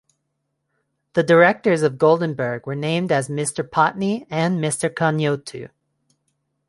The directors of Goldenberg were named as Mr Pattni and Mr Kanyotu.